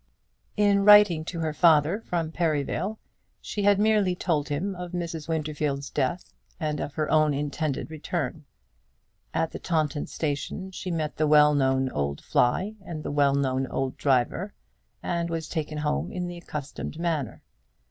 In writing to her father from Perivale, she had merely told him of Mrs. Winterfield's death and of her own intended return. At the Taunton station she met the well known old fly and the well known old driver, and was taken home in the accustomed manner.